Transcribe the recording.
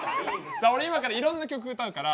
俺今からいろんな曲歌うから石橋